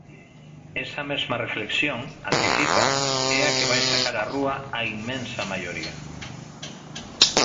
Esa mesma reflexión, anticipa, é a que vai sacar á rúa "á inmensa maioría".